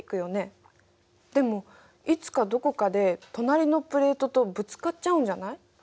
でもいつかどこかで隣のプレートとぶつかっちゃうんじゃない。